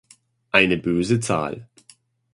Eine böse Zahl.